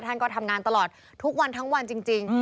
ท่านก็ทำงานตลอดทุกวันทั้งวันจริง